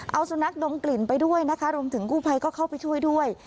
เอาสุนัขดมกลิ่นไปด้วยนะคะรวมถึงกู้ภัยก็เข้าไปช่วยด้วย